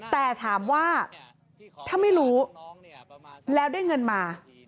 แต่ถามว่าถ้าไม่รู้แล้วได้เงินมา